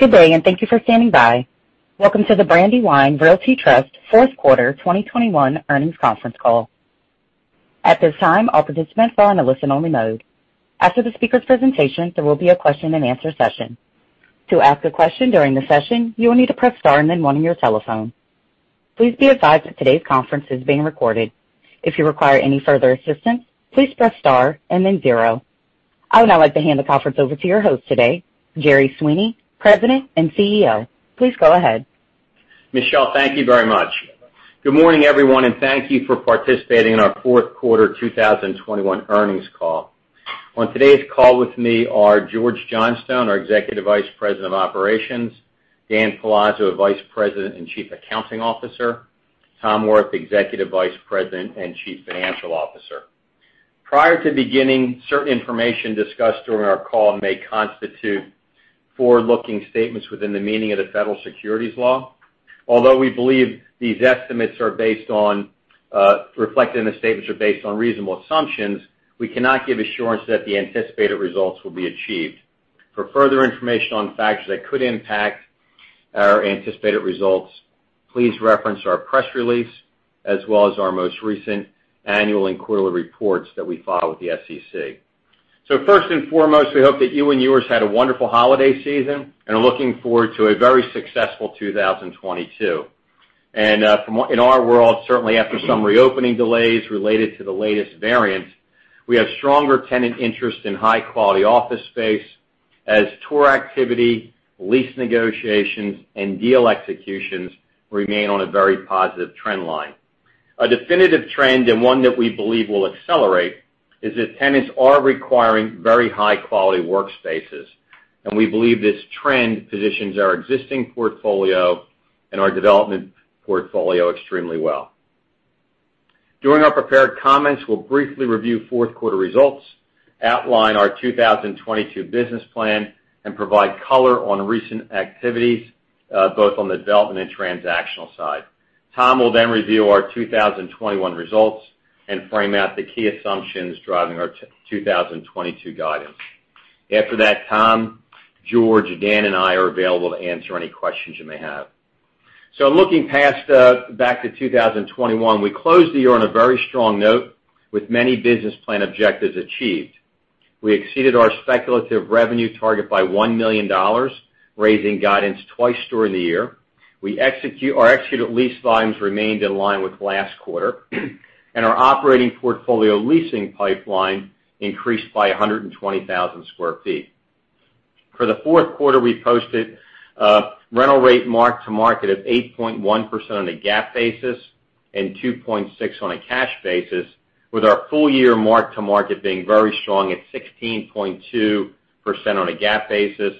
Good day, and thank you for standing by. Welcome to the Brandywine Realty Trust fourth quarter 2021 earnings conference call. At this time, all participants are in a listen-only mode. After the speaker's presentation, there will be a question-and-answer session. To ask a question during the session, you will need to press star and then one on your telephone. Please be advised that today's conference is being recorded. If you require any further assistance, please press star and then zero. I would now like to hand the conference over to your host today, Jerry Sweeney, President and Chief Executive Officer. Please go ahead. Michelle, thank you very much. Good morning, everyone, and thank you for participating in our fourth quarter 2021 earnings call. On today's call with me are George Johnstone, our Executive Vice President of Operations, Dan Palazzo, Vice President and Chief Accounting Officer, Tom Wirth, Executive Vice President and Chief Financial Officer. Prior to beginning, certain information discussed during our call may constitute forward-looking statements within the meaning of the federal securities law. Although we believe these estimates, reflected in the statements, are based on reasonable assumptions, we cannot give assurance that the anticipated results will be achieved. For further information on factors that could impact our anticipated results, please reference our press release as well as our most recent annual and quarterly reports that we file with the SEC. First and foremost, we hope that you and yours had a wonderful holiday season and are looking forward to a very successful 2022. In our world, certainly after some reopening delays related to the latest variant, we have stronger tenant interest in high-quality office space as tour activity, lease negotiations, and deal executions remain on a very positive trend line. A definitive trend and one that we believe will accelerate is that tenants are requiring very high-quality workspaces, and we believe this trend positions our existing portfolio and our development portfolio extremely well. During our prepared comments, we'll briefly review fourth quarter results, outline our 2022 business plan, and provide color on recent activities, both on the development and transactional side. Tom will then review our 2021 results and frame out the key assumptions driving our 2022 guidance. After that, Tom, George, Dan, and I are available to answer any questions you may have. Looking back to 2021, we closed the year on a very strong note with many business plan objectives achieved. We exceeded our speculative revenue target by $1 million, raising guidance twice during the year. Our executed lease volumes remained in line with last quarter, and our operating portfolio leasing pipeline increased by 120,000 sq ft. For the fourth quarter, we posted rental rate mark-to-market of 8.1% on a GAAP basis and 2.6% on a cash basis, with our full year mark-to-market being very strong at 16.2% on a GAAP basis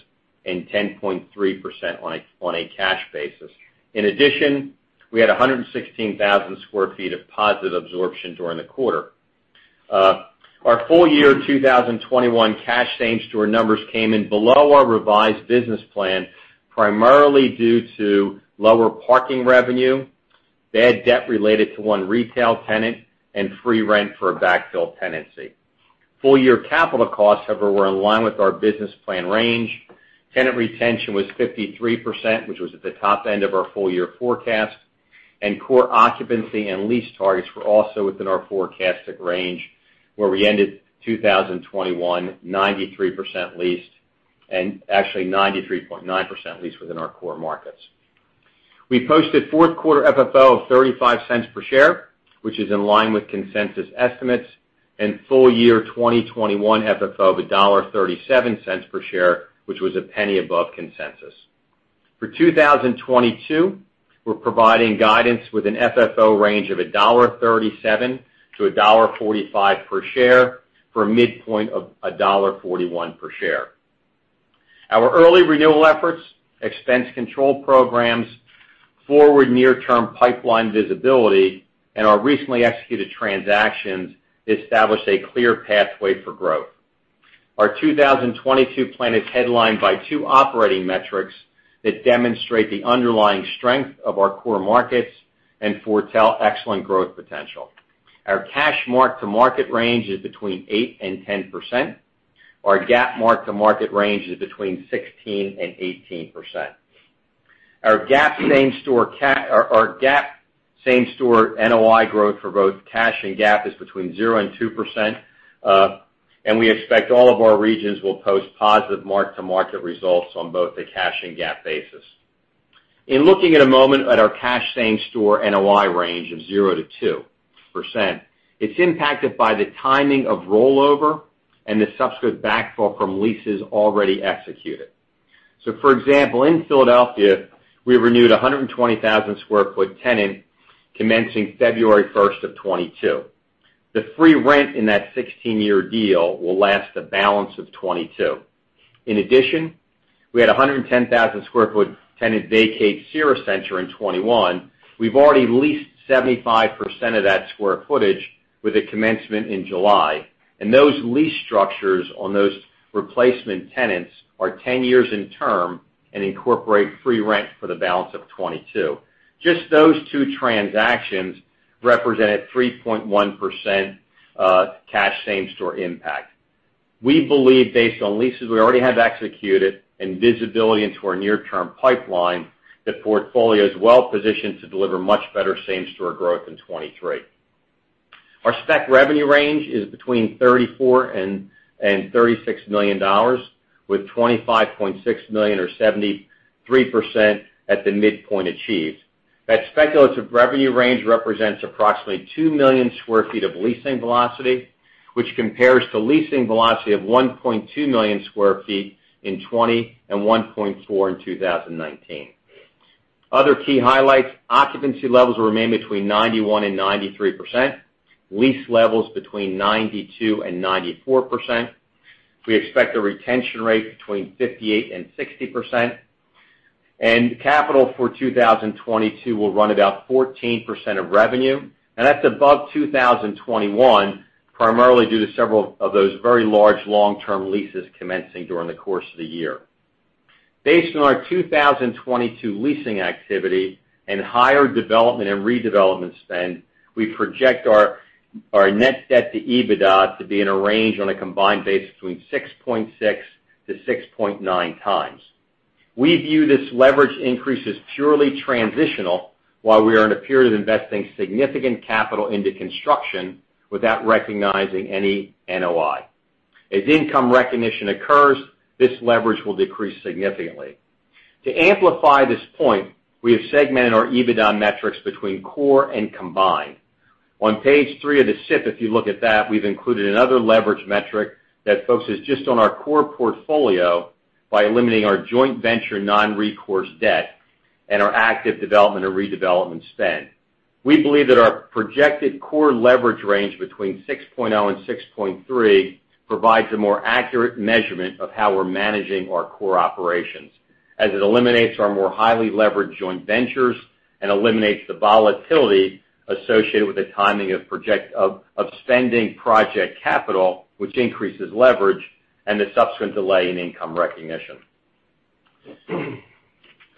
and 10.3% on a cash basis. In addition, we had 116,000 sq ft of positive absorption during the quarter. Our full year 2021 cash same store numbers came in below our revised business plan, primarily due to lower parking revenue, bad debt related to one retail tenant, and free rent for a backfill tenancy. Full year capital costs, however, were in line with our business plan range. Tenant retention was 53%, which was at the top end of our full year forecast, and core occupancy and lease targets were also within our forecasted range, where we ended 2021 93% leased and actually 93.9% leased within our core markets. We posted fourth quarter FFO of $0.35 per share, which is in line with consensus estimates, and full year 2021 FFO of $1.37 per share, which was a penny above consensus. For 2022, we're providing guidance with an FFO range of $1.37-$1.45 per share for a midpoint of $1.41 per share. Our early renewal efforts, expense control programs, forward near-term pipeline visibility, and our recently executed transactions establish a clear pathway for growth. Our 2022 plan is headlined by two operating metrics that demonstrate the underlying strength of our core markets and foretell excellent growth potential. Our cash mark-to-market range is between 8% and 10%. Our GAAP mark-to-market range is between 16% and 18%. Our GAAP same store NOI growth for both cash and GAAP is between 0% and 2%, and we expect all of our regions will post positive mark-to-market results on both the cash and GAAP basis. In looking at a moment at our cash same store NOI range of 0%-2%, it's impacted by the timing of rollover and the subsequent backfill from leases already executed. For example, in Philadelphia, we renewed a 120,000 sq ft tenant commencing February 1, 2022. The free rent in that 16-year deal will last the balance of 2022. In addition, we had a 110,000 sq ft tenant vacate Sierra Center in 2021. We've already leased 75% of that square feet with a commencement in July. Those lease structures on those replacement tenants are 10 years in term and incorporate free rent for the balance of 2022. Just those two transactions represented 3.1% cash same-store impact. We believe based on leases we already have executed and visibility into our near-term pipeline, the portfolio is well positioned to deliver much better same-store growth in 2023. Our spec revenue range is between $34 million and $36 million with $25.6 million or 73% at the midpoint achieved. That speculative revenue range represents approximately 2 million sq ft of leasing velocity, which compares to leasing velocity of 1.2 million sq ft in 2020 and 1.4 million sq ft in 2019. Other key highlights, occupancy levels remain between 91%-93%. Lease levels between 92%-94%. We expect a retention rate between 58%-60%, and capital for 2022 will run about 14% of revenue, and that's above 2021, primarily due to several of those very large long-term leases commencing during the course of the year. Based on our 2022 leasing activity and higher development and redevelopment spend, we project our net debt to EBITDA to be in a range on a combined basis between 6.6x to 6.9x. We view this leverage increase as purely transitional while we are in a period of investing significant capital into construction without recognizing any NOI. As income recognition occurs, this leverage will decrease significantly. To amplify this point, we have segmented our EBITDA metrics between core and combined. On page three of the SIP, if you look at that, we've included another leverage metric that focuses just on our core portfolio by eliminating our joint venture non-recourse debt and our active development or redevelopment spend. We believe that our projected core leverage range between 6.0 and 6.3 provides a more accurate measurement of how we're managing our core operations as it eliminates our more highly leveraged joint ventures and eliminates the volatility associated with the timing of spending project capital, which increases leverage and the subsequent delay in income recognition.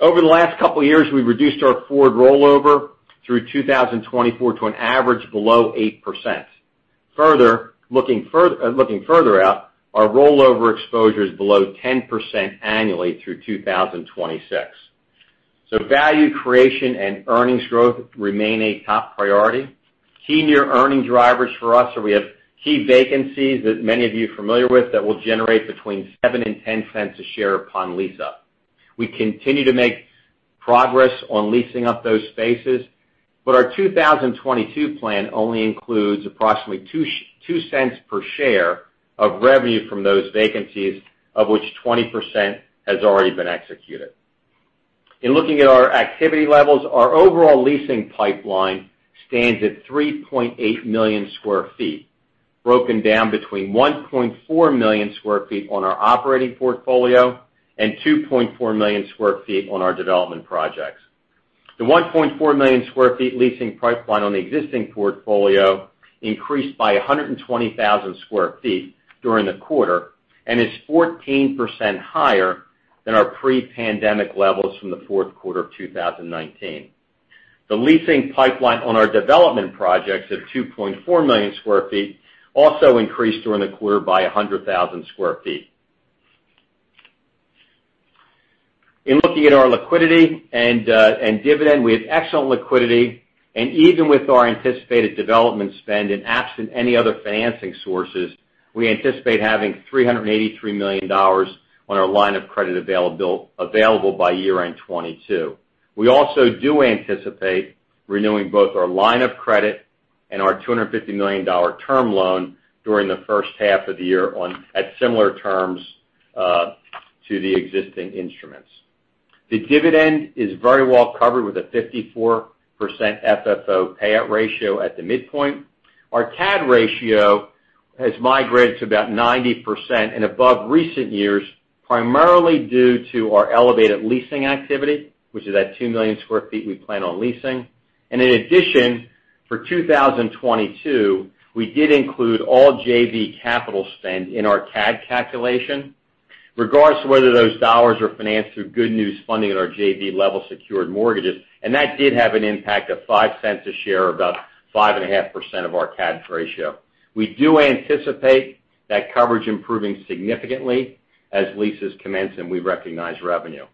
Over the last couple years, we've reduced our forward rollover through 2024 to an average below 8%. Further, looking further out, our rollover exposure is below 10% annually through 2026. Value creation and earnings growth remain a top priority. Key near-term earnings drivers for us are we have key vacancies that many of you are familiar with that will generate between $0.07 and $0.10 per share upon lease-up. We continue to make progress on leasing up those spaces, but our 2022 plan only includes approximately $0.02 per share of revenue from those vacancies, of which 20% has already been executed. In looking at our activity levels, our overall leasing pipeline stands at 3.8 million sq ft, broken down between 1.4 million sq ft on our operating portfolio and 2.4 million sq ft on our development projects. The 1.4 million sq ft leasing pipeline on the existing portfolio increased by 120,000 sq ft during the quarter and is 14% higher than our pre-pandemic levels from the fourth quarter of 2019. The leasing pipeline on our development projects of 2.4 million sq ft also increased during the quarter by 100,000 sq ft. In looking at our liquidity and dividend, we have excellent liquidity, and even with our anticipated development spend and absent any other financing sources, we anticipate having $383 million on our line of credit available by year-end 2022. We also do anticipate renewing both our line of credit and our $250 million term loan during the first half of the year at similar terms to the existing instruments. The dividend is very well covered with a 54% FFO payout ratio at the midpoint. Our CAD ratio has migrated to about 90% and above in recent years, primarily due to our elevated leasing activity, which is at 2 million sq ft we plan on leasing. In addition, for 2022, we did include all JV capital spend in our CAD calculation regardless of whether those dollars are financed through good news funding at our JV level secured mortgages. That did have an impact of $0.05 a share, about 5.5% of our CAD ratio. We do anticipate that coverage improving significantly as leases commence and we recognize revenue.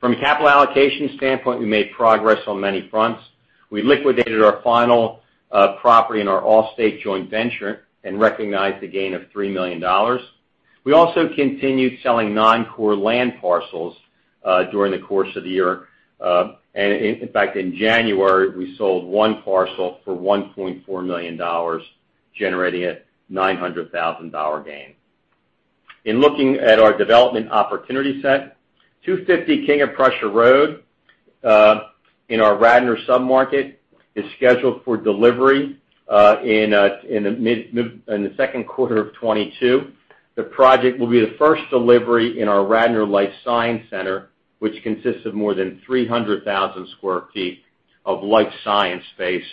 From a capital allocation standpoint, we made progress on many fronts. We liquidated our final property in our Allstate joint venture and recognized a gain of $3 million. We also continued selling non-core land parcels during the course of the year. In fact, in January, we sold one parcel for $1.4 million, generating a $900,000 gain. In looking at our development opportunity set, 250 King of Prussia Road in our Radnor submarket is scheduled for delivery in the second quarter of 2022. The project will be the first delivery in our Radnor Life Science Center, which consists of more than 300,000 sq ft of life science space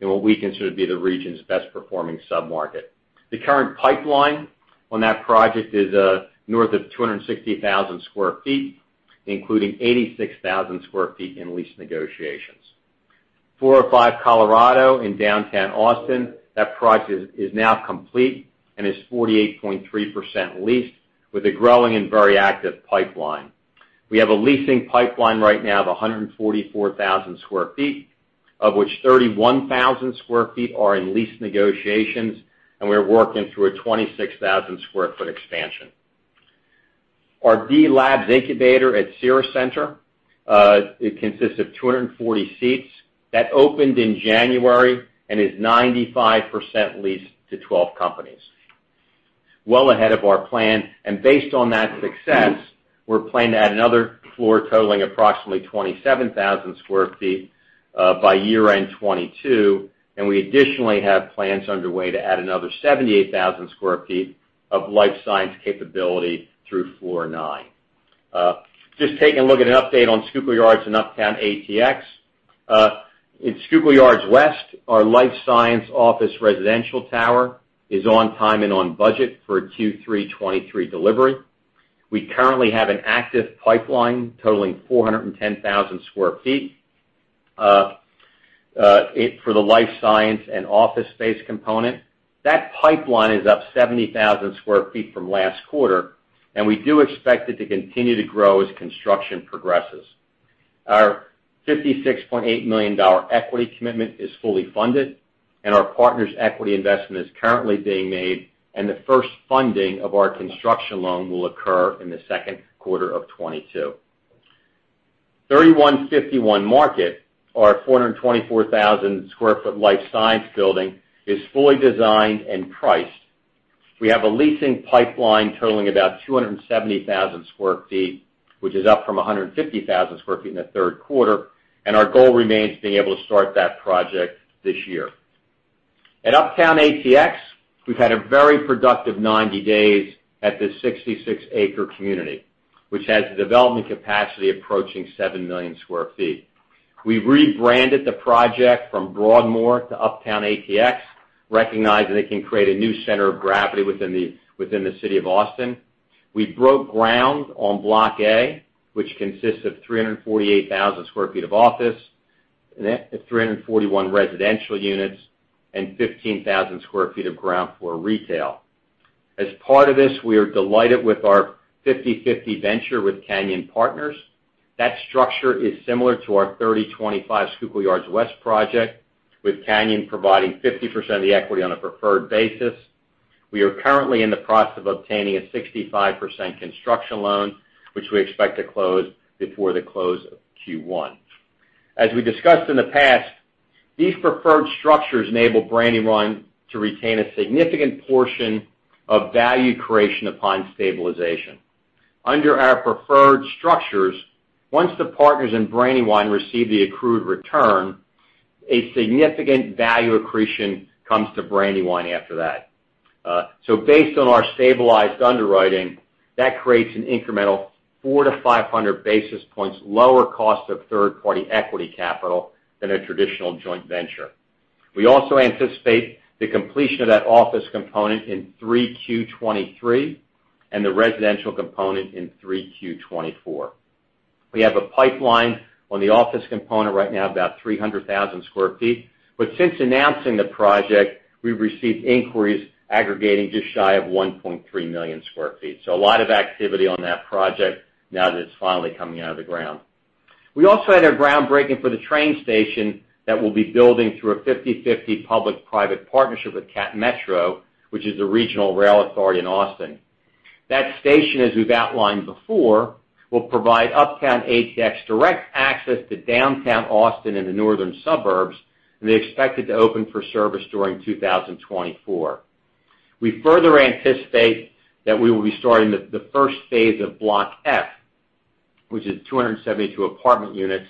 in what we consider to be the region's best performing submarket. The current pipeline on that project is north of 260,000 sq ft, including 86,000 sq ft in lease negotiations. 405 Colorado in downtown Austin, that project is now complete and is 48.3% leased with a growing and very active pipeline. We have a leasing pipeline right now of 144,000 sq ft, of which 31,000 sq ft are in lease negotiations, and we're working through a 26,000 sq ft expansion. Our B+labs incubator at Cira Centre consists of 240 seats. That opened in January and is 95% leased to twelve companies. Well ahead of our plan. Based on that success, we're planning to add another floor totaling approximately 27,000 sq ft by year-end 2022, and we additionally have plans underway to add another 78,000 sq ft of life science capability through floor nine. Just taking a look at an update on Schuylkill Yards and Uptown ATX. In Schuylkill Yards West, our life science office residential tower is on time and on budget for a Q3 2023 delivery. We currently have an active pipeline totaling 410,000 sq ft for the life science and office space component. That pipeline is up 70,000 sq ft from last quarter, and we do expect it to continue to grow as construction progresses. Our $56.8 million equity commitment is fully funded, and our partners' equity investment is currently being made, and the first funding of our construction loan will occur in the second quarter of 2022. 3151 Market, our 424,000 sq ft life science building is fully designed and priced. We have a leasing pipeline totaling about 270,000 sq ft, which is up from 150,000 sq ft in the third quarter, and our goal remains being able to start that project this year. At Uptown ATX, we've had a very productive 90 days at this 66-acre community, which has the development capacity approaching 7 million sq ft. We've rebranded the project from Broadmoor to Uptown ATX, recognizing it can create a new center of gravity within the city of Austin. We broke ground on Block A, which consists of 348,000 sq ft of office, three hundred and forty-one residential units, and 15,000 sq ft of ground floor retail. As part of this, we are delighted with our 50/50 venture with Canyon Partners. That structure is similar to our 3025 Schuylkill Yards West project, with Canyon providing 50% of the equity on a preferred basis. We are currently in the process of obtaining a 65% construction loan, which we expect to close before the close of Q1. As we discussed in the past, these preferred structures enable Brandywine to retain a significant portion of value creation upon stabilization. Under our preferred structures, once the partners in Brandywine receive the accrued return, a significant value accretion comes to Brandywine after that. Based on our stabilized underwriting, that creates an incremental 400basis points to 500 basis points lower cost of third-party equity capital than a traditional joint venture. We also anticipate the completion of that office component in 3Q 2023, and the residential component in 3Q 2024. We have a pipeline on the office component right now of about 300,000 sq ft. Since announcing the project, we've received inquiries aggregating just shy of 1.3 million sq ft. A lot of activity on that project now that it's finally coming out of the ground. We also had our groundbreaking for the train station that we'll be building through a 50/50 public-private partnership with Cap Metro, which is the regional rail authority in Austin. That station, as we've outlined before, will provide Uptown ATX direct access to downtown Austin and the northern suburbs, and they're expected to open for service during 2024. We further anticipate that we will be starting the first phase of Block F, which is 272 apartment units,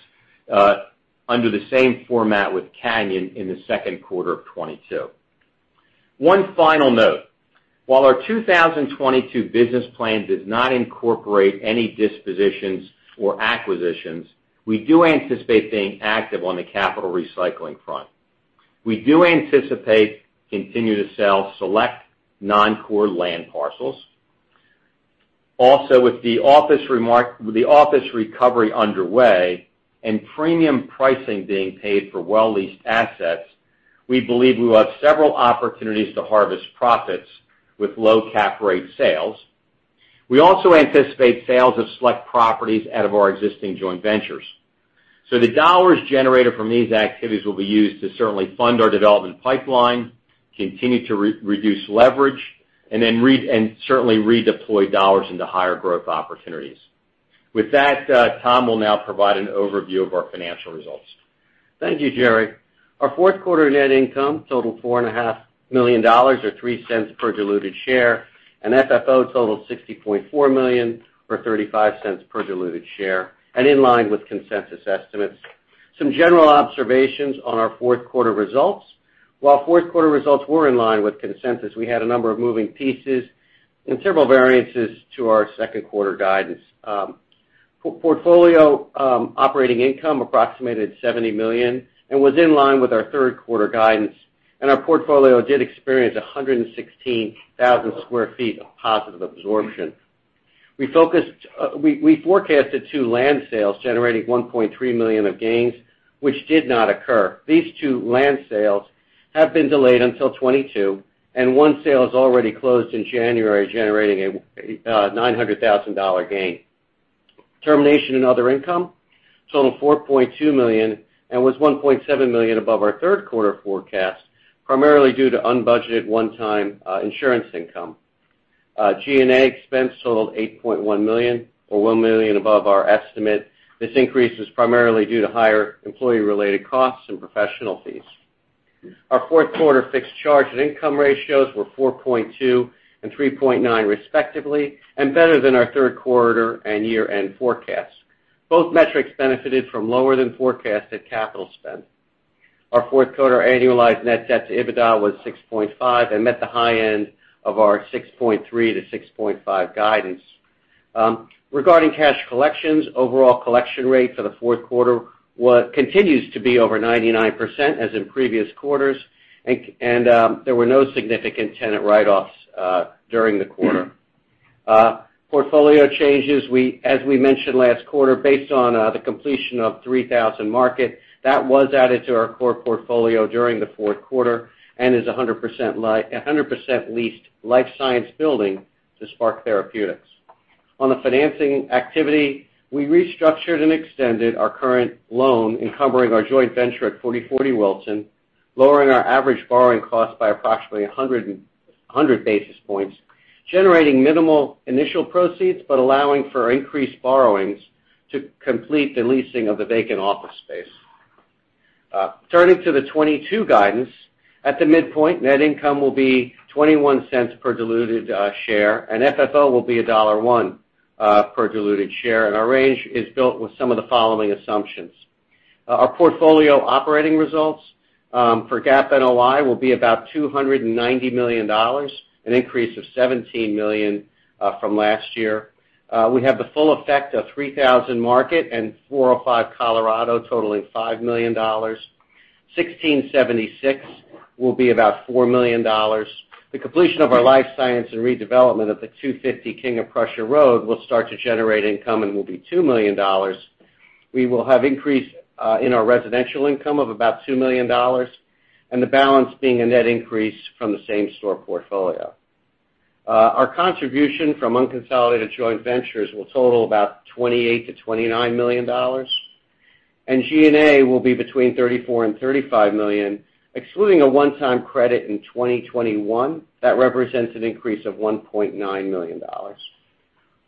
under the same format with Canyon in the second quarter of 2022. One final note. While our 2022 business plan does not incorporate any dispositions or acquisitions, we do anticipate being active on the capital recycling front. We do anticipate continuing to sell select non-core land parcels. With the office recovery underway and premium pricing being paid for well-leased assets, we believe we will have several opportunities to harvest profits with low cap rate sales. We also anticipate sales of select properties out of our existing joint ventures. The dollars generated from these activities will be used to certainly fund our development pipeline, continue to reduce leverage, and certainly redeploy dollars into higher growth opportunities. With that, Tom will now provide an overview of our financial results. Thank you, Jerry. Our fourth quarter net income totaled $4.5 million or $0.03 per diluted share, and FFO totaled $60.4 million or $0.35 per diluted share and in line with consensus estimates. Some general observations on our fourth quarter results. While fourth quarter results were in line with consensus, we had a number of moving pieces and several variances to our second quarter guidance. Portfolio operating income approximated $70 million and was in line with our third quarter guidance. Our portfolio did experience 116,000 sq ft of positive absorption. We forecasted two land sales generating $1.3 million of gains, which did not occur. These two land sales have been delayed until 2022, and one sale has already closed in January, generating a $900,000 gain. Termination and other income totaled $4.2 million and was $1.7 million above our third quarter forecast, primarily due to unbudgeted one-time insurance income. G&A expense totaled $8.1 million, or $1 million above our estimate. This increase is primarily due to higher employee-related costs and professional fees. Our fourth quarter fixed charge and income ratios were %4.2 and %3.9 respectively, and better than our third quarter and year-end forecasts. Both metrics benefited from lower than forecasted capital spend. Our fourth quarter annualized net debt to EBITDA was 6.5 and met the high end of our 6.3-6.5 guidance. Regarding cash collections, overall collection rate for the fourth quarter continues to be over 99% as in previous quarters, and there were no significant tenant write-offs during the quarter. Portfolio changes, as we mentioned last quarter, based on the completion of 3,000 Market, that was added to our core portfolio during the fourth quarter and is 100% leased life science building to Spark Therapeutics. On the financing activity, we restructured and extended our current loan encumbering our joint venture at 4040 Wilson, lowering our average borrowing cost by approximately 100 basis points, generating minimal initial proceeds but allowing for increased borrowings to complete the leasing of the vacant office space. Turning to the 2022 guidance, at the midpoint, net income will be $0.21 per diluted share, and FFO will be $1.01 per diluted share, and our range is built with some of the following assumptions. Our portfolio operating results for GAAP NOI will be about $290 million, an increase of $17 million from last year. We have the full effect of 3000 Market and 405 Colorado totaling $5 million. 1676 will be about $4 million. The completion of our life science and redevelopment of the 250 King of Prussia Road will start to generate income and will be $2 million. We will have increase in our residential income of about $2 million, and the balance being a net increase from the same store portfolio. Our contribution from unconsolidated joint ventures will total about $28 million-$29 million. G&A will be between $34 million and $35 million, excluding a one-time credit in 2021. That represents an increase of $1.9 million.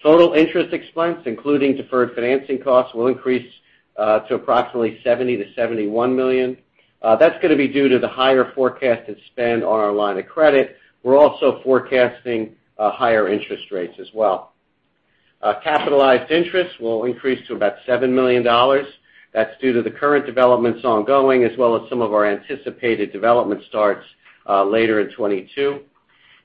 Total interest expense, including deferred financing costs, will increase to approximately $70 million-$71 million. That's gonna be due to the higher forecasted spend on our line of credit. We're also forecasting higher interest rates as well. Capitalized interest will increase to about $7 million. That's due to the current developments ongoing as well as some of our anticipated development starts later in 2022.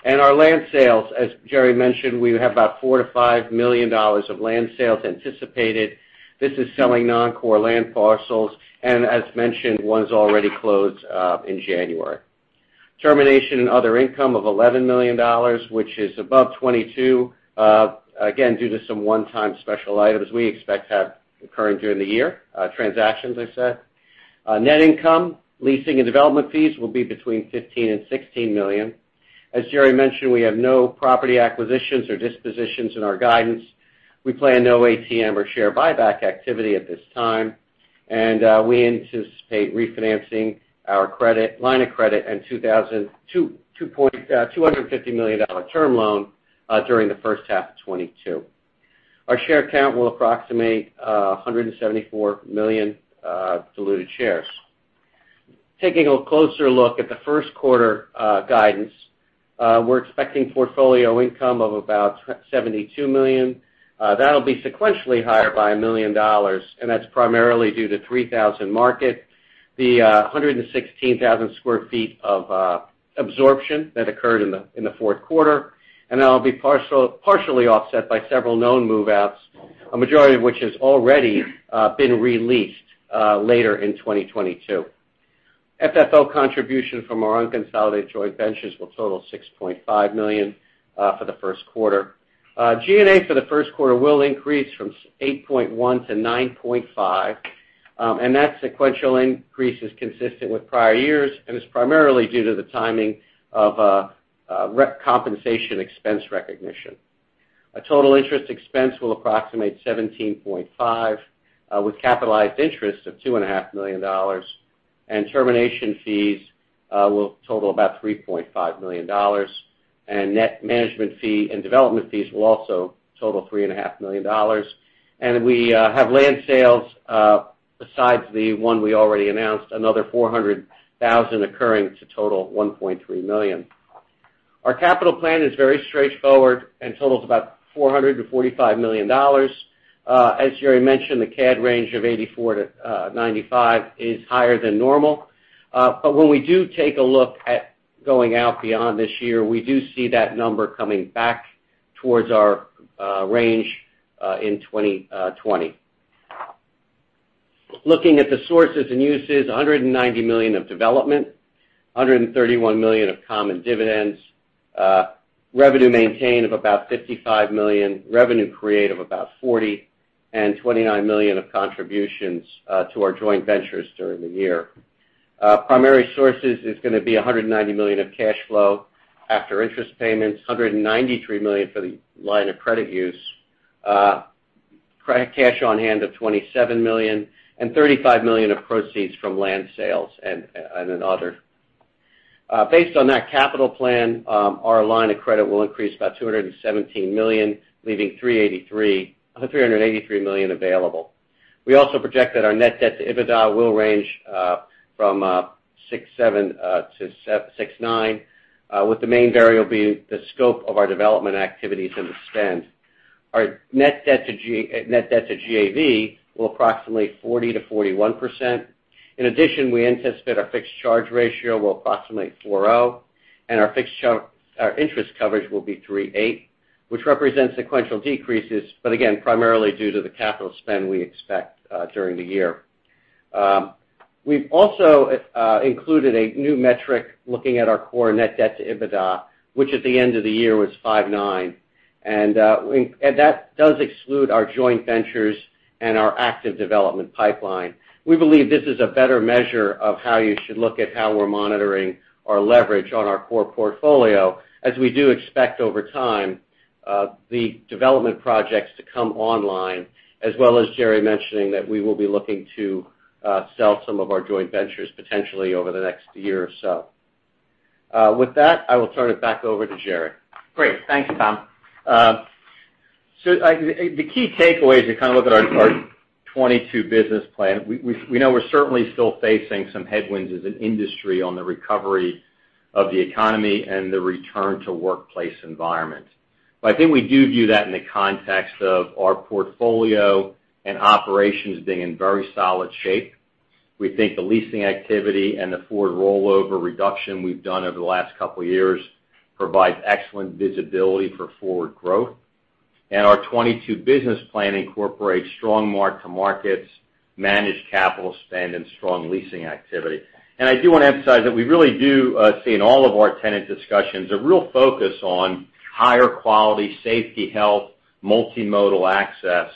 Our land sales, as Jerry mentioned, we have about $4 million-$5 million of land sales anticipated. This is selling non-core land parcels, and as mentioned, one's already closed in January. Termination and other income of $11 million, which is above 2022, again, due to some one-time special items we expect to have occurring during the year, transactions as I said. Net income, leasing and development fees will be between $15 million and $16 million. As Jerry mentioned, we have no property acquisitions or dispositions in our guidance. We plan no ATM or share buyback activity at this time. We anticipate refinancing our line of credit and $250 million term loan during the first half of 2022. Our share count will approximate 174 million diluted shares. Taking a closer look at the first quarter guidance, we're expecting portfolio income of about $72 million. That'll be sequentially higher by $1 million, and that's primarily due to Three Thousand Market, the 116,000 sq ft of absorption that occurred in the fourth quarter. That'll be partially offset by several known move-outs, a majority of which has already been re-leased later in 2022. FFO contribution from our unconsolidated joint ventures will total $6.5 million for the first quarter. G&A for the first quarter will increase from $8.1 to $9.5, and that sequential increase is consistent with prior years and is primarily due to the timing of rep compensation expense recognition. Total interest expense will approximate $17.5 million, with capitalized interest of $2.5 million, and termination fees will total about $3.5 million. Net management fee and development fees will also total $3.5 million. We have land sales, besides the one we already announced, another $400,000 occurring to total $1.3 million. Our capital plan is very straightforward and totals about $445 million. As Jerry mentioned, the CAD range of $84 million-$95 million is higher than normal. When we do take a look at going out beyond this year, we do see that number coming back towards our range in 2020. Looking at the sources and uses, $190 million of development, $131 million of common dividends, revenue maintain of about $55 million, revenue create of about $40 million, and $29 million of contributions to our joint ventures during the year. Primary sources is gonna be $190 million of cash flow after interest payments, $193 million for the line of credit use, cash on hand of $27 million, and $35 million of proceeds from land sales and other. Based on that capital plan, our line of credit will increase about $217 million, leaving $383 million available. We also project that our net debt to EBITDA will range from 6.7-6.9, with the main variable being the scope of our development activities and the spend. Our net debt to GAV will approximate 40%-41%. In addition, we anticipate our fixed charge ratio will approximate 4.0, and our interest coverage will be 3.8, which represents sequential decreases, but again, primarily due to the capital spend we expect during the year. We've also included a new metric looking at our core net debt to EBITDA, which at the end of the year was 5.9, and that does exclude our joint ventures and our active development pipeline. We believe this is a better measure of how you should look at how we're monitoring our leverage on our core portfolio, as we do expect over time, the development projects to come online, as well as Jerry mentioning that we will be looking to sell some of our joint ventures potentially over the next year or so. With that, I will turn it back over to Jerry. Great. Thank you, Tom. Like, the key takeaways to kind of look at our 2022 business plan, we know we're certainly still facing some headwinds as an industry on the recovery of the economy and the return to workplace environment. I think we do view that in the context of our portfolio and operations being in very solid shape. We think the leasing activity and the forward rollover reduction we've done over the last couple years provides excellent visibility for forward growth. Our 2022 business plan incorporates strong mark-to-markets, managed capital spend, and strong leasing activity. I do wanna emphasize that we really do see in all of our tenant discussions, a real focus on higher quality safety, health, multimodal access.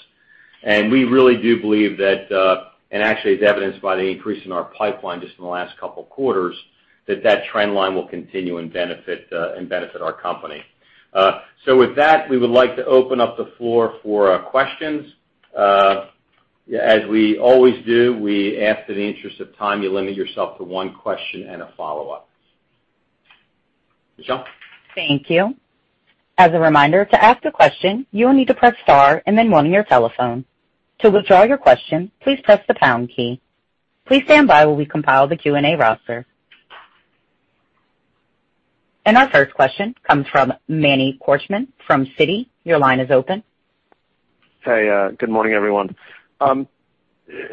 We really do believe that, and actually as evidenced by the increase in our pipeline just in the last couple quarters, that trend line will continue and benefit our company. With that, we would like to open up the floor for questions. As we always do, we ask that in the interest of time, you limit yourself to one question and a follow-up. Michelle? Thank you. Our first question comes from Manny Korchman from Citi, your line is open. Hey, good morning, everyone.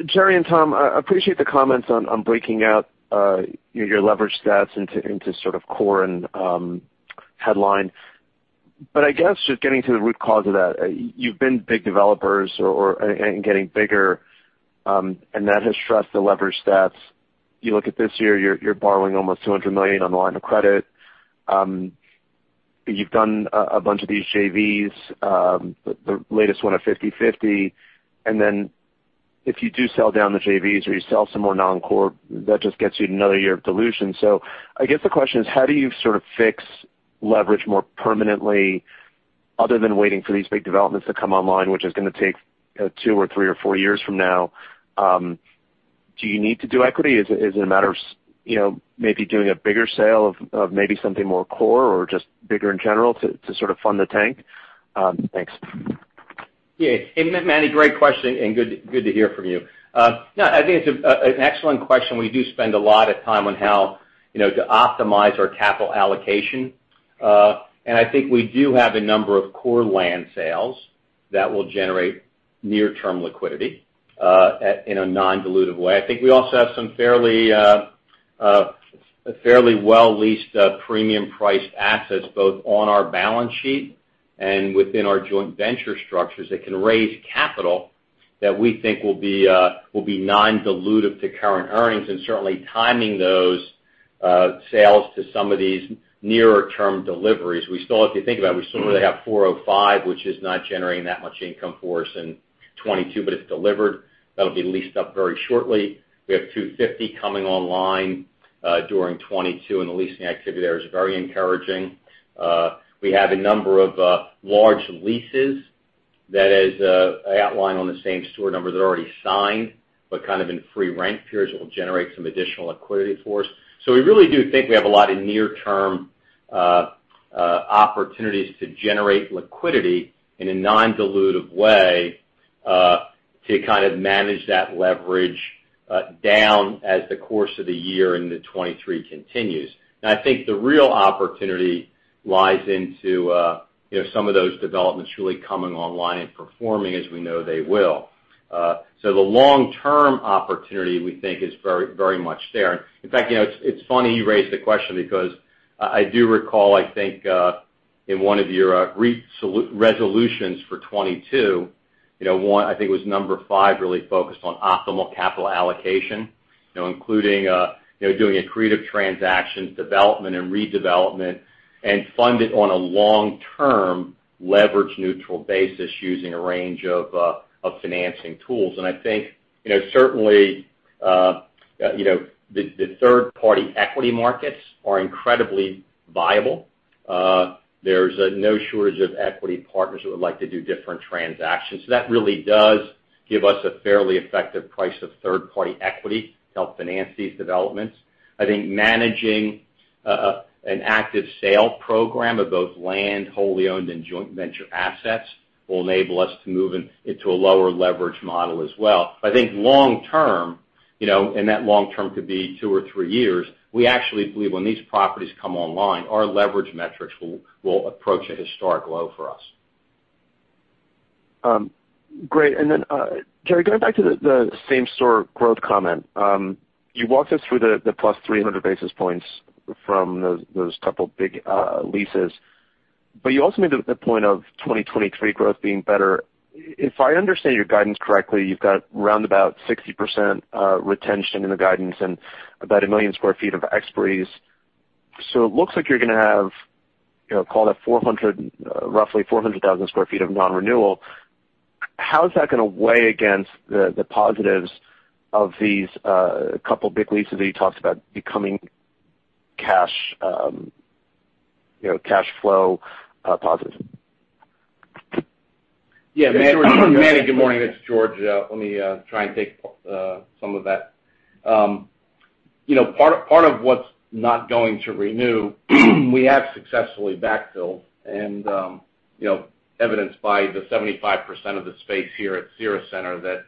Jerry and Tom, I appreciate the comments on breaking out your leverage stats into sort of core and headline. I guess just getting to the root cause of that, you've been big developers or and getting bigger, and that has stressed the leverage stats. You look at this year, you're borrowing almost $200 million on the line of credit. You've done a bunch of these JVs, the latest one at 50/50. Then if you do sell down the JVs or you sell some more non-core, that just gets you another year of dilution. I guess the question is, how do you sort of fix leverage more permanently other than waiting for these big developments to come online, which is gonna take two or three or four years from now? Do you need to do equity? Is it a matter of, you know, maybe doing a bigger sale of maybe something more core or just bigger in general to sort of fund the tank? Thanks. Yeah. Manny, great question, and good to hear from you. No, I think it's an excellent question. We do spend a lot of time on how, you know, to optimize our capital allocation. I think we do have a number of core land sales that will generate near-term liquidity in a non-dilutive way. I think we also have some fairly well-leased premium priced assets, both on our balance sheet and within our joint venture structures that can raise capital that we think will be non-dilutive to current earnings, and certainly timing those sales to some of these nearer term deliveries. If you think about it, we still really have 405, which is not generating that much income for us in 2022, but it's delivered. That'll be leased up very shortly. We have 250 coming online during 2022, and the leasing activity there is very encouraging. We have a number of large leases that is outlined on the same store number that are already signed, but kind of in free rent periods that will generate some additional liquidity for us. We really do think we have a lot of near term opportunities to generate liquidity in a non-dilutive way to kind of manage that leverage down as the course of the year into 2023 continues. I think the real opportunity lies into you know some of those developments really coming online and performing as we know they will. The long-term opportunity we think is very, very much there. In fact, you know, it's funny you raised the question because I do recall, I think, in one of your resolutions for 2022, you know, one, I think it was number five, really focused on optimal capital allocation, you know, including, you know, doing accretive transactions, development and redevelopment, and fund it on a long-term leverage-neutral basis using a range of financing tools. I think, you know, certainly, you know, the third party equity markets are incredibly viable. There's no shortage of equity partners who would like to do different transactions. That really does give us a fairly effective price of third party equity to help finance these developments. I think managing an active sale program of both land, wholly owned and joint venture assets will enable us to move into a lower leverage model as well. I think long term, you know, and that long term could be two or three years, we actually believe when these properties come online, our leverage metrics will approach a historic low for us. Jerry, going back to the same store growth comment. You walked us through the plus 300 basis points from those couple of big leases. You also made the point of 2023 growth being better. If I understand your guidance correctly, you've got around about 60% retention in the guidance and about a million square feet of expiries. It looks like you're gonna have, you know, call it roughly 400,000 sq ft of non-renewal. How is that gonna weigh against the positives of these couple big leases that you talked about becoming cash, you know, cash flow positive? Yeah. Manny, good morning. It's George. Let me try and take some of that. You know, part of what's not going to renew, we have successfully backfilled and, you know, evidenced by the 75% of the space here at Cira Centre that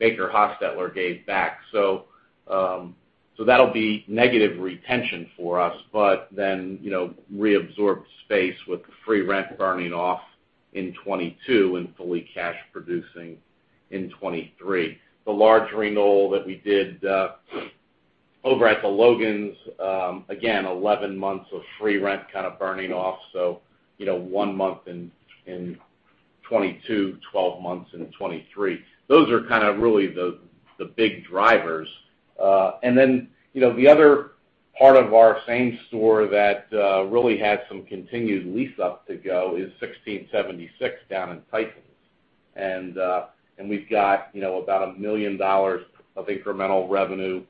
BakerHostetler gave back. That'll be negative retention for us, but then, you know, reabsorbed space with the free rent burning off in 2022 and fully cash producing in 2023. The large renewal that we did over at The Logan, again, 11 months of free rent kind of burning off. You know, one month in 2022, 12 months in 2023. Those are kind of really the big drivers. You know, the other part of our same store that really had some continued lease up to go is 1676 down in Tysons. We've got, you know, about a million dollar of incremental revenue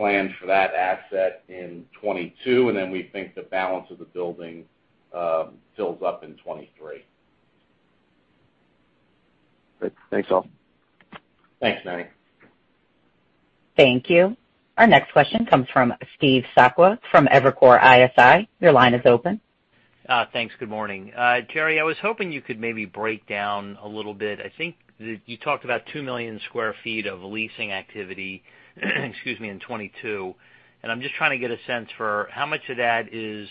planned for that asset in 2022, and then we think the balance of the building fills up in 2023. Great. Thanks all. Thanks, Manny. Thank you. Our next question comes from Steve Sakwa from Evercore ISI, your line is open. Thanks. Good morning? Jerry, I was hoping you could maybe break down a little bit. I think that you talked about 2 million sq ft of leasing activity, excuse me, in 2022. I'm just trying to get a sense for how much of that is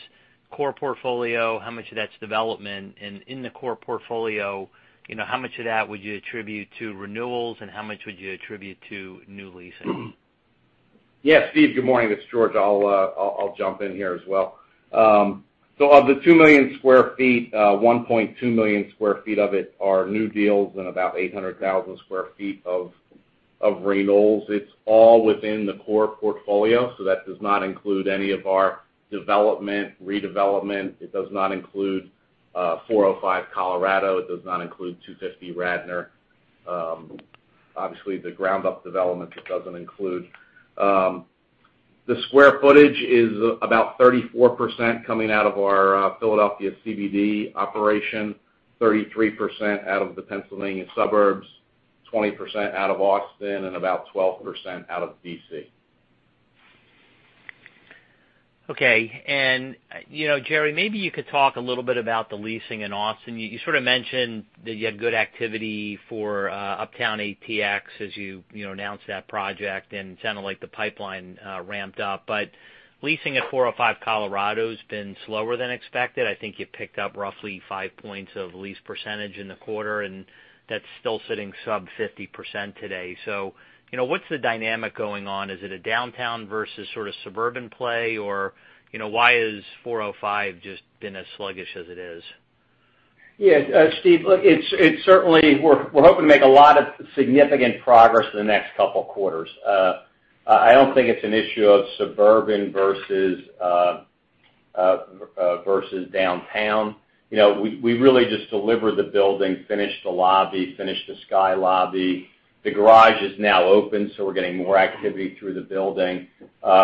core portfolio, how much of that's development. In the core portfolio, you know, how much of that would you attribute to renewals, and how much would you attribute to new leasing? Yeah, Steve, good morning. It's George. I'll jump in here as well. So of the 2 million sq ft, 1.2 million sq ft of it are new deals and about 800,000 sq ft of renewals. It's all within the core portfolio, so that does not include any of our development, redevelopment. It does not include 405 Colorado. It does not include 250 Radnor. Obviously, the ground up development, it doesn't include. The square footage is about 34% coming out of our Philadelphia CBD operation, 33% out of the Pennsylvania suburbs, 20% out of Austin, and about 12% out of D.C. Okay. You know, Jerry, maybe you could talk a little bit about the leasing in Austin. You sort of mentioned that you had good activity for Uptown ATX as you know announced that project and sounded like the pipeline ramped up. Leasing at 405 Colorado's been slower than expected. I think you picked up roughly five points of lease percentage in the quarter, and that's still sitting sub 50% today. You know, what's the dynamic going on? Is it a downtown versus sort of suburban play? Or, you know, why is 405 just been as sluggish as it is? Yeah. Steve, look, it's certainly. We're hoping to make a lot of significant progress in the next couple quarters. I don't think it's an issue of suburban versus downtown. You know, we really just delivered the building, finished the lobby, finished the sky lobby. The garage is now open, so we're getting more activity through the building. I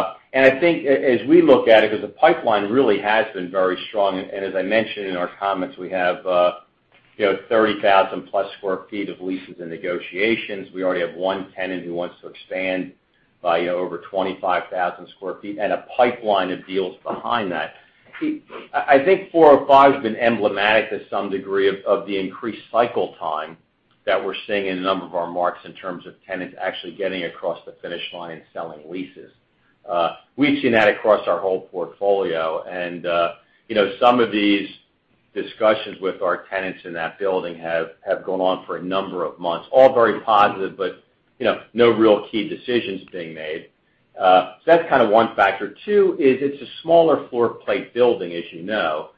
think as we look at it, because the pipeline really has been very strong, and as I mentioned in our comments, we have, you know, 30,000+ sq ft of leases and negotiations. We already have one tenant who wants to expand by, you know, over 25,000 sq ft and a pipeline of deals behind that. Steve, I think 405's been emblematic to some degree of the increased cycle time that we're seeing in a number of our markets in terms of tenants actually getting across the finish line and signing leases. We've seen that across our whole portfolio. You know, some of these discussions with our tenants in that building have gone on for a number of months, all very positive, but you know, no real key decisions being made. That's kind of one factor. Two is it's a smaller floor plate building, as you know.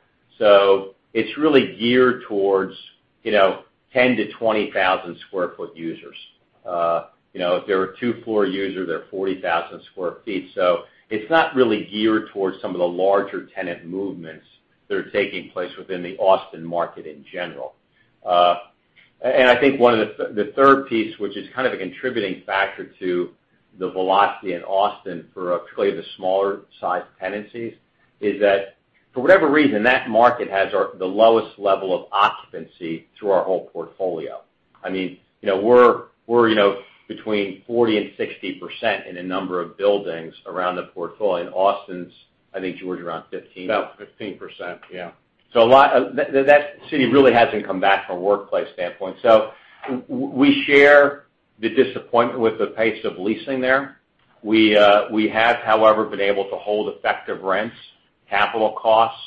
It's really geared towards, you know, 10,000-20,000 sq ft users. You know, if they're a two-floor user, they're 40,000 sq ft. It's not really geared towards some of the larger tenant movements that are taking place within the Austin market in general. I think one of the third piece, which is kind of a contributing factor to the velocity in Austin for particularly the smaller-sized tenancies, is that for whatever reason, that market has the lowest level of occupancy through our whole portfolio. I mean, you know, we're, you know, between 40% and 60% in a number of buildings around the portfolio. Austin is, I think, George, around 15%. About 15%, yeah. That city really hasn't come back from a workplace standpoint. We share the disappointment with the pace of leasing there. We have, however, been able to hold effective rents, capital costs,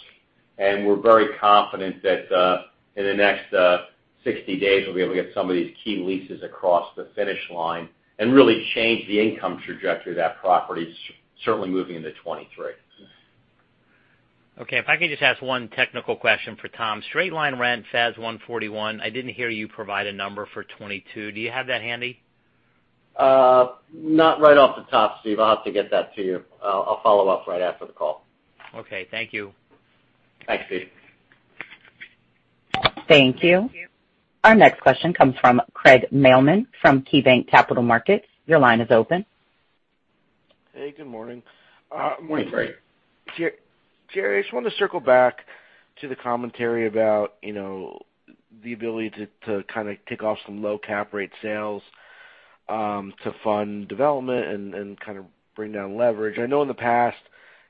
and we're very confident that in the next 60 days, we'll be able to get some of these key leases across the finish line and really change the income trajectory of that property, certainly moving into 2023. Okay, if I could just ask one technical question for Tom. Straight-line rent FAS 141, I didn't hear you provide a number for 2022. Do you have that handy? Not right off the top, Steve. I'll have to get that to you. I'll follow up right after the call. Okay, thank you. Thanks, Steve. Thank you. Our next question comes from Craig Mailman from KeyBanc Capital Markets, your line is open. Hey, good morning? Good morning, Craig. Jerry, I just wanted to circle back to the commentary about, you know, the ability to kind of kick off some low cap rate sales, to fund development and kind of bring down leverage. I know in the past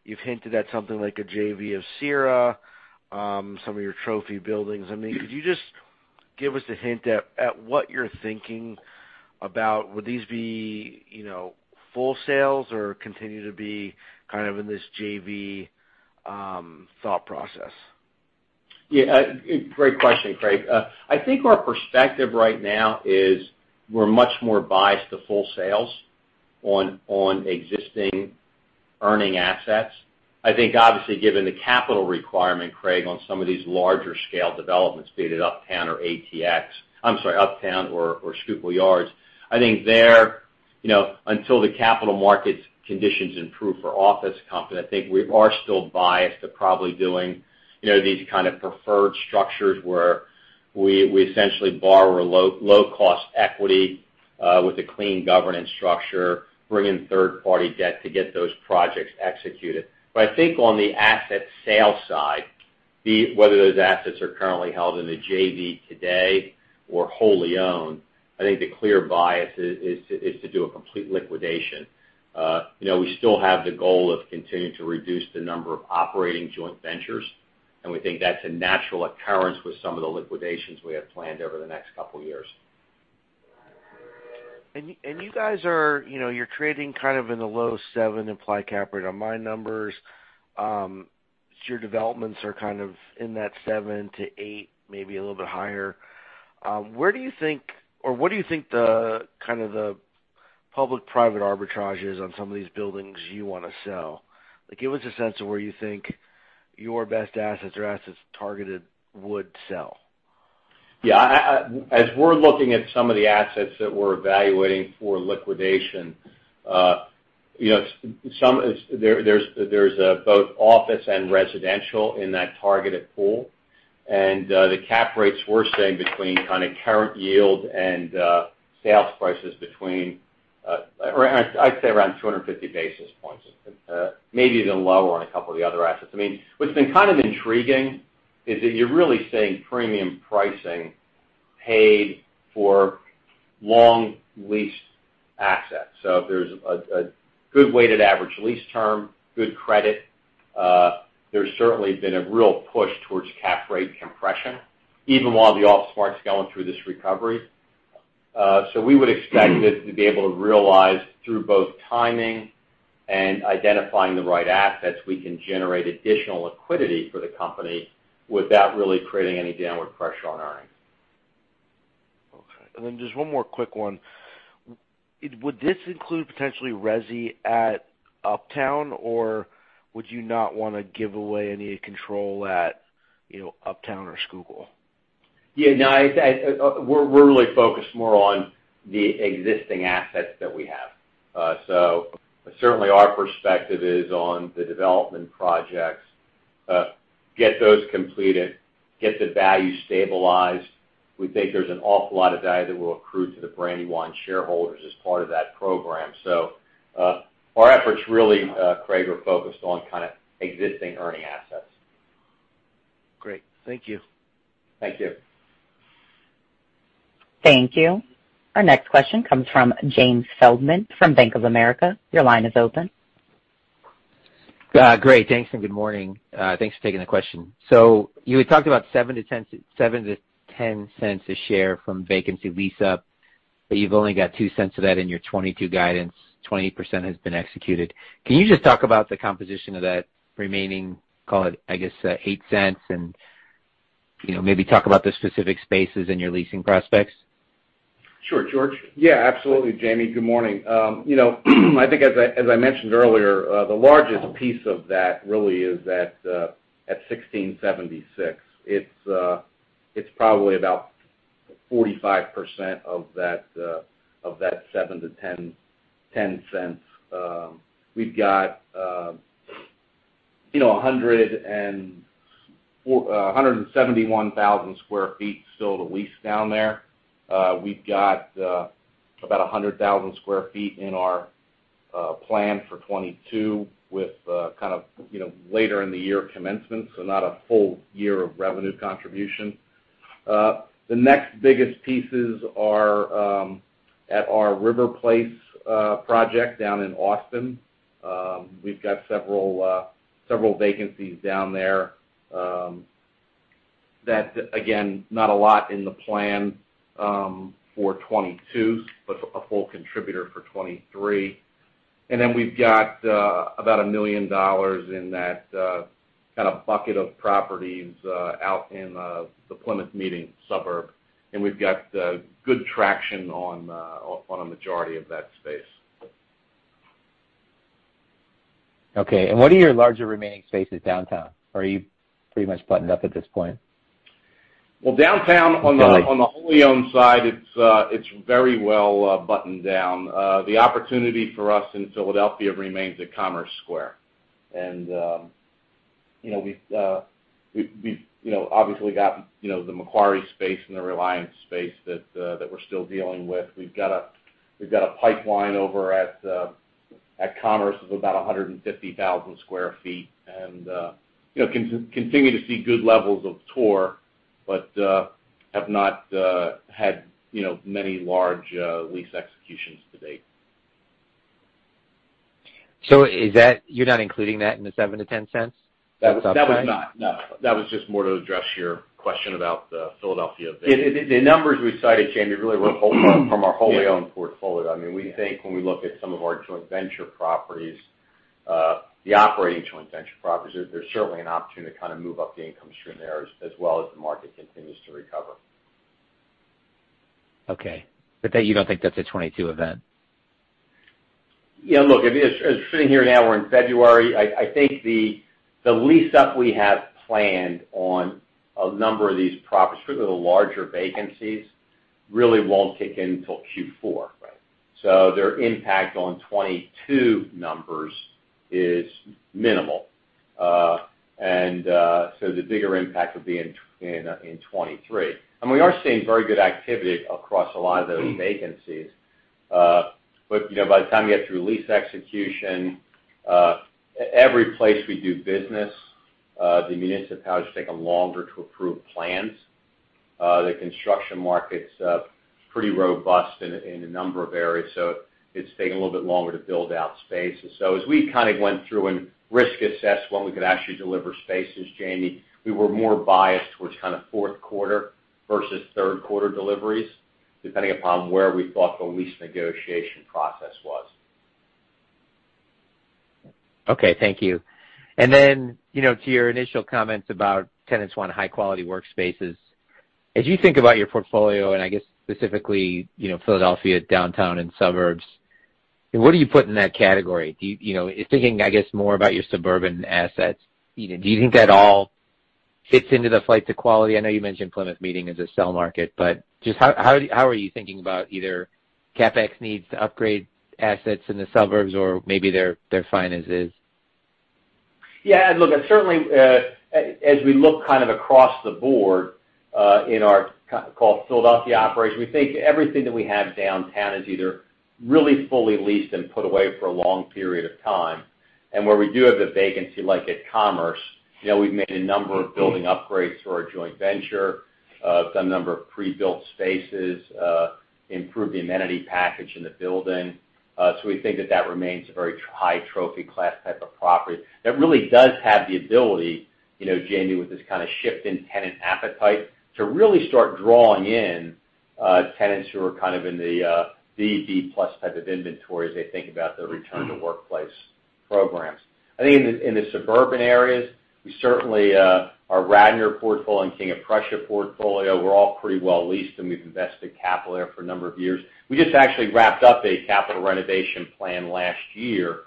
you've hinted at something like a JV of Cira, some of your trophy buildings. I mean, could you just give us a hint at what you're thinking about? Would these be, you know, full sales or continue to be kind of in this JV thought process? Yeah. Great question, Craig. I think our perspective right now is we're much more biased to full sales on existing earning assets. I think obviously, given the capital requirement, Craig, on some of these larger scale developments, be it at Uptown or Schuylkill Yards, I think there, you know, until the capital markets conditions improve for office confidence, I think we are still biased to probably doing, you know, these kind of preferred structures where we essentially borrow a low cost equity with a clean governance structure, bring in third party debt to get those projects executed. I think on the asset sale side, whether those assets are currently held in a JV today or wholly owned, I think the clear bias is to do a complete liquidation. You know, we still have the goal of continuing to reduce the number of operating joint ventures, and we think that's a natural occurrence with some of the liquidations we have planned over the next couple years. You guys are, you know, you're trading kind of in the low 7% implied cap rate on my numbers. Your developments are kind of in that 7%-8%, maybe a little bit higher. Where do you think or what do you think the kind of public-private arbitrage is on some of these buildings you wanna sell? Like, give us a sense of where you think your best assets or assets targeted would sell. As we're looking at some of the assets that we're evaluating for liquidation, some, there's both office and residential in that targeted pool. The cap rates we're seeing between kind of current yield and sales prices between or I'd say around 250 basis points, maybe even lower on a couple of the other assets. I mean, what's been kind of intriguing is that you're really seeing premium pricing paid for long leased assets. If there's a good weighted average lease term, good credit, there's certainly been a real push towards cap rate compression even while the office market's going through this recovery. We would expect it to be able to realize through both timing and identifying the right assets, we can generate additional liquidity for the company without really creating any downward pressure on earnings. Okay. Just one more quick one. Would this include potentially resi at Uptown, or would you not wanna give away any control at, you know, Uptown or Schuylkill? Yeah, no, I'd say, we're really focused more on the existing assets that we have. Certainly our perspective is on the development projects, get those completed, get the value stabilized. We think there's an awful lot of value that will accrue to the Brandywine shareholders as part of that program. Our efforts really, Craig, are focused on kind of existing earning assets. Great. Thank you. Thank you. Thank you. Our next question comes from James Feldman from Bank of America, your line is open. Great. Thanks, and good morning. Thanks for taking the question. You had talked about $7-$10 cents a share from vacancy lease-up, but you've only got $0.02 of that in your 2022 guidance. 20% has been executed. Can you just talk about the composition of that remaining, call it, I guess, $0.08 and you know, maybe talk about the specific spaces in your leasing prospects. Sure. George? Yeah, absolutely, James. Good morning. You know, I think as I mentioned earlier, the largest piece of that really is that at 1676. It's probably about 45% of that of that $0.07-$0.10. We've got, you know, 171,000 sq ft still to lease down there. We've got about 100,000 sq ft in our plan for 2022 with, kind of, you know, later in the year commencement, so not a full year of revenue contribution. The next biggest pieces are at our River Place project down in Austin. We've got several vacancies down there, that, again, not a lot in the plan for 2022, but a full contributor for 2023. We've got about $1 million in that kind of bucket of properties out in the Plymouth Meeting suburb, and we've got good traction on a majority of that space. Okay. What are your larger remaining spaces downtown? Are you pretty much buttoned up at this point? Well, downtown. Okay On the wholly owned side, it's very well buttoned down. The opportunity for us in Philadelphia remains at Commerce Square. You know, we've obviously got, you know, the Macquarie space and the Reliance space that we're still dealing with. We've got a pipeline over at Commerce of about 150,000 sq ft. You know, continue to see good levels of tour, but have not had, you know, many large lease executions to date. You're not including that in the $0.07-$0.10? That was not. No. That was just more to address your question about the Philadelphia vacancy. The numbers we cited, Jamie, really were from our wholly owned portfolio. I mean, we think when we look at some of our joint venture properties, the operating joint venture properties, there's certainly an opportunity to kind of move up the income stream there as well as the market continues to recover. Okay. That, you don't think that's a 2022 event? Yeah, look, sitting here now, we're in February, I think the lease up we have planned on a number of these properties, particularly the larger vacancies, really won't kick in until Q4. Right. So their impact on 2022 numbers is minimal. So the bigger impact would be in 2023. We are seeing very good activity across a lot of those vacancies. You know, by the time you get through lease execution, every place we do business, the municipalities take longer to approve plans. The construction market's pretty robust in a number of areas, so it's taking a little bit longer to build out spaces. As we kind of went through and risk-assessed when we could actually deliver spaces, James, we were more biased towards kind of fourth quarter versus third quarter deliveries, depending upon where we thought the lease negotiation process was. Okay, thank you. You know, to your initial comments about tenants want high-quality workspaces. As you think about your portfolio, and I guess specifically, you know, Philadelphia downtown and suburbs, what do you put in that category? Thinking, I guess, more about your suburban assets, you know, do you think that all fits into the flight to quality? I know you mentioned Plymouth Meeting as a sell market, but just how are you thinking about either CapEx needs to upgrade assets in the suburbs or maybe they're fine as is? Yeah, look, certainly, as we look kind of across the board, in our so-called Philadelphia operation, we think everything that we have downtown is either really fully leased and put away for a long period of time. Where we do have a vacancy, like at Commerce, you know, we've made a number of building upgrades through our joint venture, done a number of pre-built spaces, improved the amenity package in the building. We think that that remains a very high trophy class type of property that really does have the ability, you know, Jamie, with this kind of shift in tenant appetite, to really start drawing in, tenants who are kind of in the, B+ type of inventory as they think about their return to workplace programs. I think in the suburban areas, we certainly our Radnor portfolio and King of Prussia portfolio were all pretty well leased, and we've invested capital there for a number of years. We just actually wrapped up a capital renovation plan last year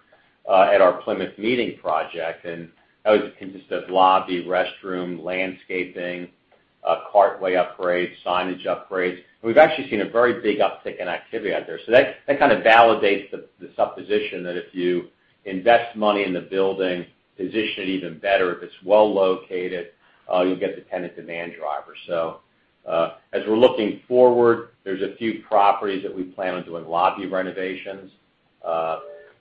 at our Plymouth Meeting project, and that was consisted of lobby, restroom, landscaping, cartway upgrades, signage upgrades. We've actually seen a very big uptick in activity out there. That kind of validates the supposition that if you invest money in the building, position it even better, if it's well-located, you'll get the tenant demand driver. As we're looking forward, there's a few properties that we plan on doing lobby renovations.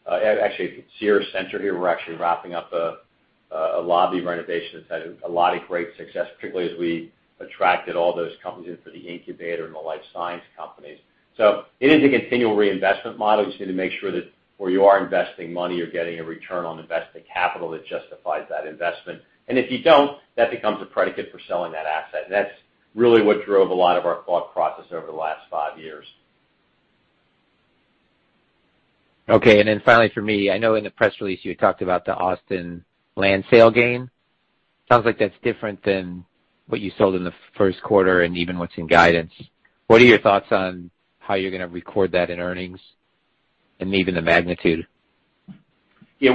Actually, at Cira Centre here, we're actually wrapping up a lobby renovation that's had a lot of great success, particularly as we attracted all those companies in for the incubator and the life science companies. It is a continual reinvestment model. You just need to make sure that where you are investing money, you're getting a return on invested capital that justifies that investment. If you don't, that becomes a predicate for selling that asset. That's really what drove a lot of our thought process over the last five years. Okay. Finally for me, I know in the press release you had talked about the Austin land sale gain. Sounds like that's different than what you sold in the first quarter and even what's in guidance. What are your thoughts on how you're gonna record that in earnings and even the magnitude? Yeah.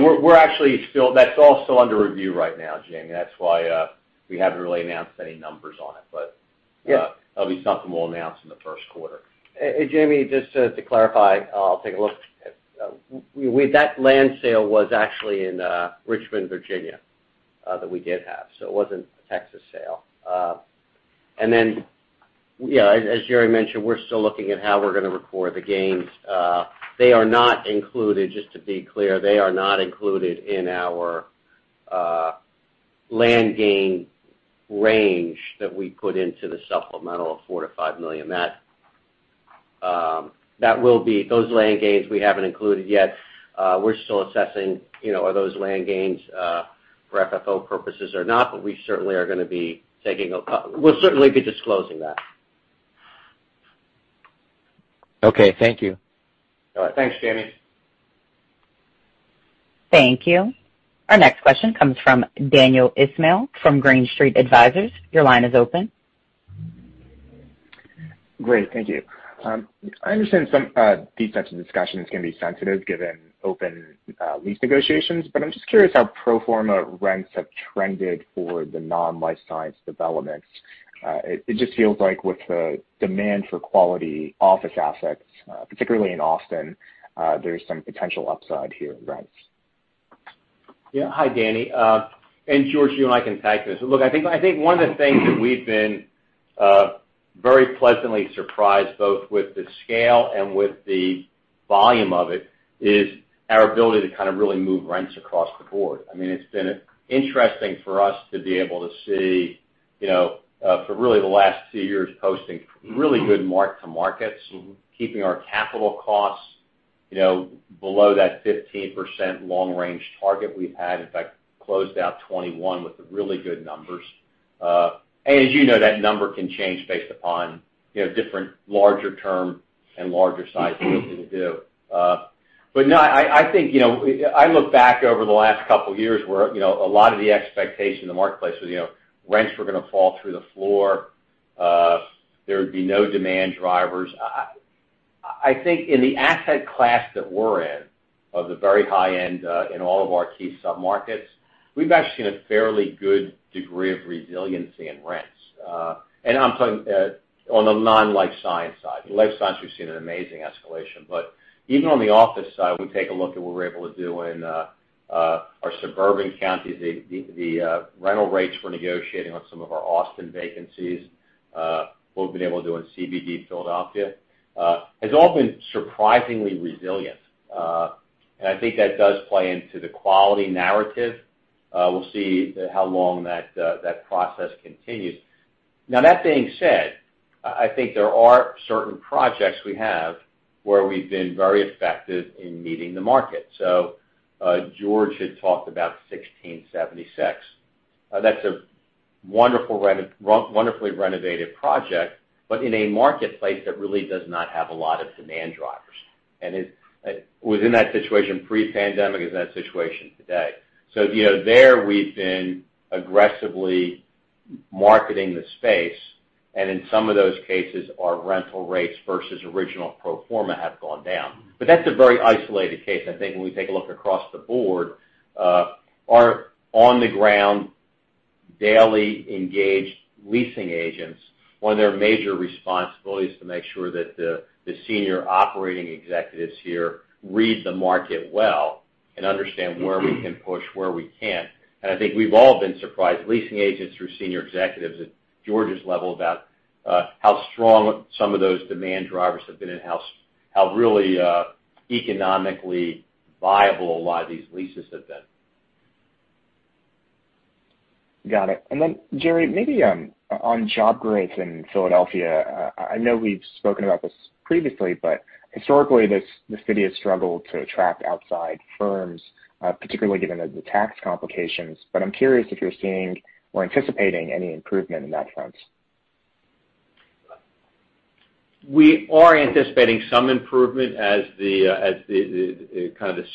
That's all still under review right now, James. That's why we haven't really announced any numbers on it. That'll be something we'll announce in the first quarter. James, just to clarify, I'll take a look. That land sale was actually in Richmond, Virginia, that we did have. It wasn't a Texas sale. You know, as Jerry mentioned, we're still looking at how we're gonna record the gains. They are not included, just to be clear, they are not included in our land gain range that we put into the supplemental of $4 million-$5 million. Those land gains we haven't included yet. We're still assessing, you know, are those land gains for FFO purposes or not, but we certainly will be disclosing that. Okay, thank you. All right. Thanks, James Thank you. Our next question comes from Daniel Ismail from Green Street Advisors, your line is open. Great. Thank you. I understand some of these types of discussions can be sensitive given open lease negotiations, but I'm just curious how pro forma rents have trended for the non-life science developments. It just feels like with the demand for quality office assets, particularly in Austin, there's some potential upside here in rents. Yeah. Hi, Daniel. George, you and I can tag this. Look, I think one of the things that we've been very pleasantly surprised both with the scale and with the volume of it, is our ability to kind of really move rents across the board. I mean, it's been interesting for us to be able to see, you know, for really the last two years, posting really good mark-to-markets, keeping our cap rates, you know, below that 15% long range target we've had. In fact, closed out 2021 with really good numbers. As you know, that number can change based upon, you know, different longer term and larger size deals we can do. No, I think, you know, I look back over the last couple of years where, you know, a lot of the expectation in the marketplace was, you know, rents were gonna fall through the floor, there would be no demand drivers. I think in the asset class that we're in, of the very high end, in all of our key submarkets, we've actually seen a fairly good degree of resiliency in rents. I'm talking on the non-life science side. Life science, we've seen an amazing escalation. Even on the office side, when we take a look at what we're able to do in our suburban counties, the rental rates we're negotiating on some of our Austin vacancies, what we've been able to do in CBD Philadelphia, has all been surprisingly resilient. I think that does play into the quality narrative. We'll see how long that process continues. Now that being said, I think there are certain projects we have where we've been very effective in meeting the market. George had talked about 1676. That's a wonderfully renovated project, but in a marketplace that really does not have a lot of demand drivers. It was in that situation pre-pandemic, is in that situation today. You know, there we've been aggressively marketing the space, and in some of those cases, our rental rates versus original pro forma have gone down. That's a very isolated case. I think when we take a look across the board, our on-the-ground, daily engaged leasing agents, one of their major responsibilities to make sure that the senior operating executives here read the market well and understand where we can push, where we can't. I think we've all been surprised, leasing agents through senior executives at George's level, about how strong some of those demand drivers have been and how really economically viable a lot of these leases have been. Got it. Jerry, maybe on job growth in Philadelphia. I know we've spoken about this previously, but historically, this city has struggled to attract outside firms, particularly given the tax complications. I'm curious if you're seeing or anticipating any improvement in that front. We are anticipating some improvement as the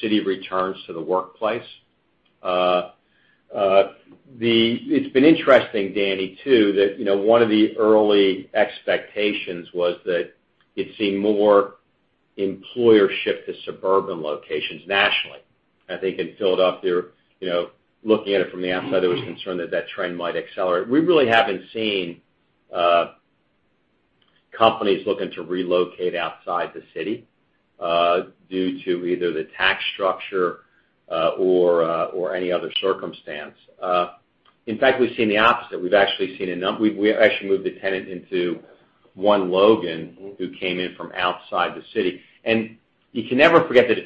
city returns to the workplace. It's been interesting, Daniel, too, that, you know, one of the early expectations was that you'd see more employer shift to suburban locations nationally. I think in Philadelphia, you know, looking at it from the outside, there was concern that that trend might accelerate. We really haven't seen companies looking to relocate outside the city due to either the tax structure or any other circumstance. In fact, we've seen the opposite. We actually moved a tenant into One Logan, who came in from outside the city. You can never forget that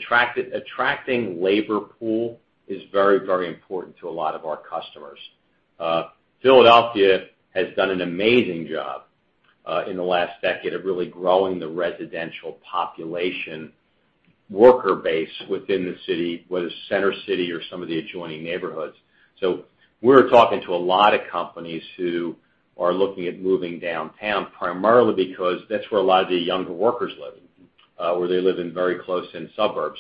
attracting labor pool is very, very important to a lot of our customers. Philadelphia has done an amazing job in the last decade of really growing the residential population worker base within the city, whether it's Center City or some of the adjoining neighborhoods. We're talking to a lot of companies who are looking at moving downtown primarily because that's where a lot of the younger workers live, or they live in very close in suburbs.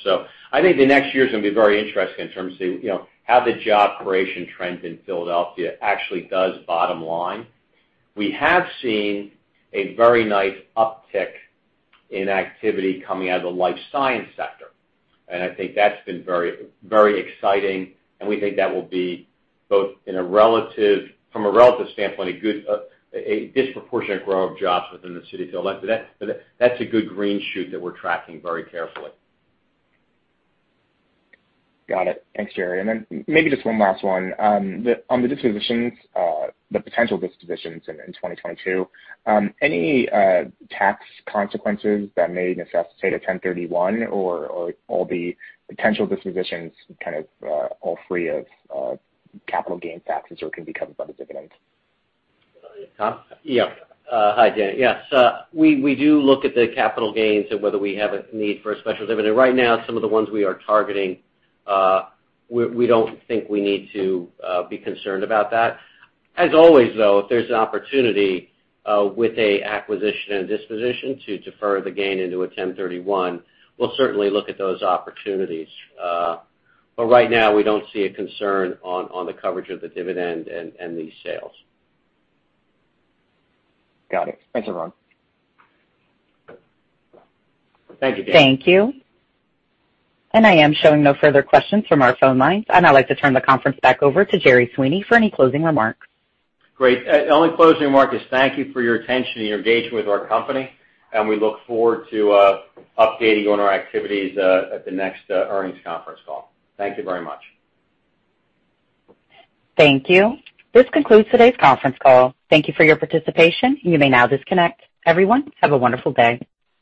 I think the next year is gonna be very interesting in terms of, you know, how the job creation trend in Philadelphia actually does bottom line. We have seen a very nice uptick in activity coming out of the life science sector, and I think that's been very, very exciting, and we think that will be both from a relative standpoint, a disproportionate growth of jobs within the city of Philadelphia. That's a good green shoot that we're tracking very carefully. Got it. Thanks, Jerry. Maybe just one last one. On the dispositions, the potential dispositions in 2022, tax consequences that may necessitate a 1031 exchange or all the potential dispositions all free of capital gains taxes or can be covered by the dividends? Tom? Yeah. Hi, Daniel. Yes. We do look at the capital gains and whether we have a need for a special dividend. Right now, some of the ones we are targeting, we don't think we need to be concerned about that. As always, though, if there's an opportunity with an acquisition and disposition to defer the gain into a 1031 exchange, we'll certainly look at those opportunities. Right now, we don't see a concern on the coverage of the dividend and these sales. Got it. Thanks, everyone. Thank you, Daniel. Thank you. I am showing no further questions from our phone lines, and I'd like to turn the conference back over to Jerry Sweeney for any closing remarks. Great. The only closing remark is thank you for your attention and your engagement with our company, and we look forward to updating you on our activities at the next earnings conference call. Thank you very much. Thank you. This concludes today's conference call. Thank you for your participation, you may now disconnect. Everyone, have a wonderful day.